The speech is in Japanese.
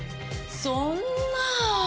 そんな！